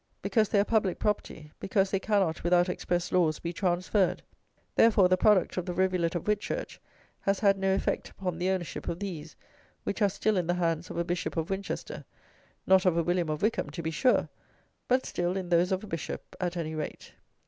Because they are public property; because they cannot, without express laws, be transferred. Therefore the product of the rivulet of Whitchurch has had no effect upon the ownership of these, which are still in the hands of a Bishop of Winchester; not of a William of Wykham, to be sure; but still, in those of a bishop, at any rate.